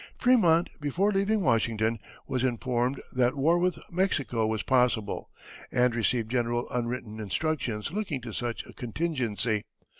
Frémont before leaving Washington was informed that war with Mexico was possible, and received general unwritten instructions looking to such a contingency.